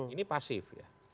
ini pasif ya